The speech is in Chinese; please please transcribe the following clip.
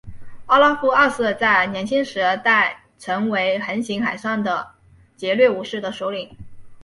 奥拉夫二世在年轻时代曾为横行海上的劫掠武士的首领。